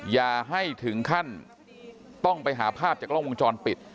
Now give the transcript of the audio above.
อย่าให้ถึงขั้นต้องไปหาภาพจากกล้องวงจรปิด